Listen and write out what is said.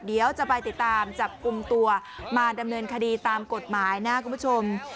เดี๋ยวจะไปติดตามจับกลุ่มตัวมาดำเนินคดีตามกฎหมายนะคุณผู้ชม